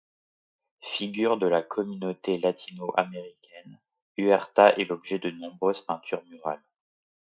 Figure de la communauté latino-américaine, Huerta est l'objet de nombreuses peintures murales.